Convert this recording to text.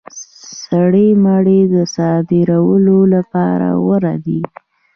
سرې مڼې د صادرولو لپاره غوره دي.